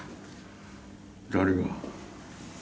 誰が？